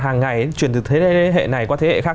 hàng ngày truyền từ thế hệ này qua thế hệ khác